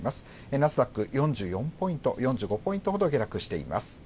ナスダック４５ポイントほど下落しています。